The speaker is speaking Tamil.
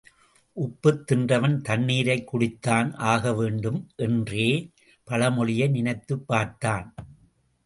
உப்புத் தின்றவன் தண்ணீரைக் குடித்துத்தான் ஆகவேண்டும் என்ற பழமொழியை நினைத்துப் பார்த்தான்.